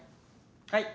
はい。